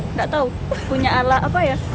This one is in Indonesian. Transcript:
nggak tahu punya alat apa ya